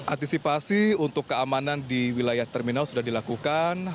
antisipasi untuk keamanan di wilayah terminal sudah dilakukan